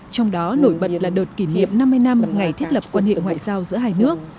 trong đó nổi bật là đợt kỷ niệm năm mươi năm ngày thiết lập quan hệ ngoại giao giữa hai nước